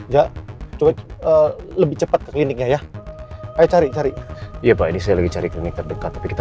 gak coba lebih cepat ke kliniknya ya ayo cari cari ya pak ini saya lagi cari klinik terdekat tapi kita